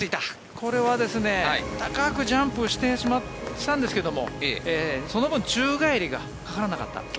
これは高くジャンプしてしたんですけどその分宙返りがかからなかった。